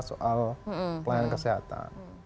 soal pelayanan kesehatan